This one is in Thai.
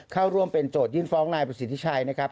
เข้าร่วมเป็นโจทยื่นฟ้องนายประสิทธิชัยนะครับ